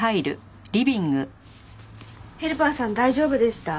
ヘルパーさん大丈夫でした？